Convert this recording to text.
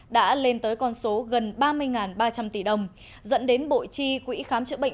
đã lên tới con số gần ba mươi ba trăm linh tỷ đồng dẫn đến bộ chi quỹ khám chữa bệnh